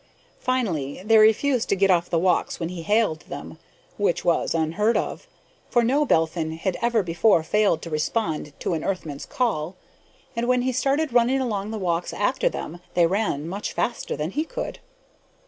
Finally, they refused to get off the walks when he hailed them which was unheard of, for no Belphin had ever before failed to respond to an Earthman's call and when he started running along the walks after them, they ran much faster than he could.